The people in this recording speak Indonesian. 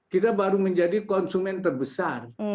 kita baru menjadi konsumen terbesar